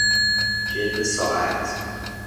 جلد ساعت